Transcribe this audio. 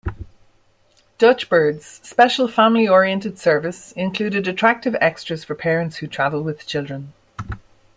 DutchBird's special family oriented service included attractive extras for parents who travel with children.